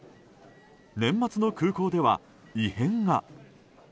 年末の空港では異変が。